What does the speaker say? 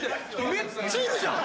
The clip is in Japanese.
めっちゃいるじゃん！